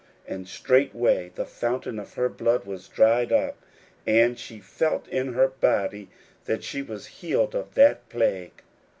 41:005:029 And straightway the fountain of her blood was dried up; and she felt in her body that she was healed of that plague.